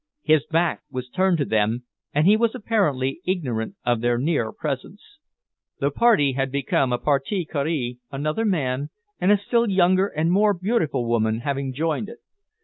His back was turned to them, and he was apparently ignorant of their near presence. The party had become a partie Carríe, another man, and a still younger and more beautiful woman having joined it.